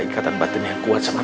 ya anak anak s logi